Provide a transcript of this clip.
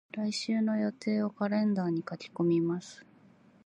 来週の予定をカレンダーに書き込みます。